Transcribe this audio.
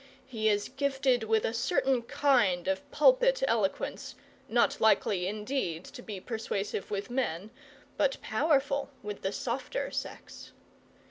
He is gifted with a certain kind of pulpit eloquence, not likely, indeed, to be persuasive with men, but powerful with the softer sex.